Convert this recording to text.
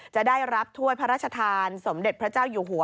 จะได้รับถ้วยพระราชทานสมเด็จพระเจ้าอยู่หัว